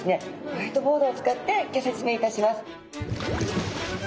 ホワイトボードを使ってギョ説明いたします。